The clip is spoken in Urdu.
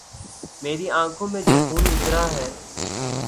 میری آنکھوں میں جو خون اترا ہے